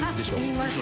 言います。